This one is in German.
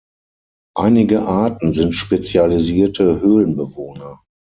Einige Arten sind spezialisierte Höhlenbewohner.